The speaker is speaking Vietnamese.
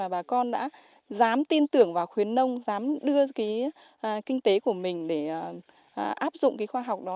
bà con đã dám tin tưởng vào khuyến nông dám đưa kinh tế của mình để áp dụng khoa học đó